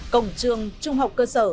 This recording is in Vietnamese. cổng trường trung học cơ sở